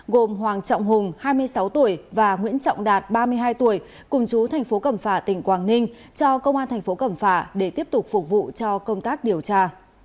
gồm hoàng trọng hùng hai mươi sáu tuổi và nguyễn trọng đạt ba mươi hai tuổi cùng chú thành phố cẩm phả tỉnh quảng ninh cho công an thành phố cẩm phả để tiếp tục phục vụ cho công tác điều tra